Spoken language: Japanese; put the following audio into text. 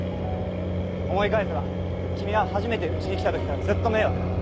思い返せば君は初めて家に来た時からずっと迷惑だ。